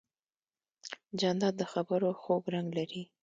جانداد د خبرو خوږ رنګ لري.